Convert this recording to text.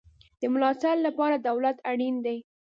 د ملاتړ لپاره دولت اړین دی